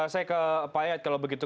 saya ke pak yayat kalau begitu